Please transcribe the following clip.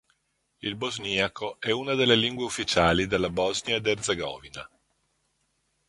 Il bosniaco è una delle lingue ufficiali della Bosnia ed Erzegovina.